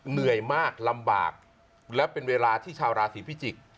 เหนื่อยมากลำบากและเป็นเวลาที่ชาวราศีพิจิกษ์